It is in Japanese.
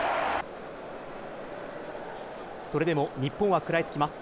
それでも日本は食らいつきます。